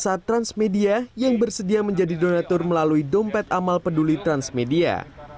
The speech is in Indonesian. dan juga kepada transmedia yang bersedia menjadi donatur melalui dompet amal peduli transmedia